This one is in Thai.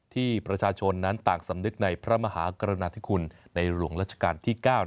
ที่ประชาชนนั้นต่างสำนึกในพระมหากรณาธิคุณในหลวงรัชกาลที่๙